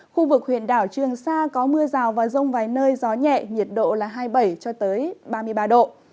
khu vực huyện đảo trường sa có mưa rào và rông vài nơi gió nhẹ nhiệt độ là hai mươi bảy cho tới ba mươi ba độ